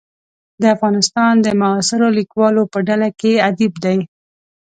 د افغانستان د معاصرو لیکوالو په ډله کې ادیب دی.